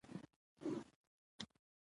ليکوال د خپلې خبرې د ثبوت لپاره متلونه ،محاورې